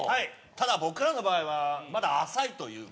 ただ僕らの場合はまだ浅いというか。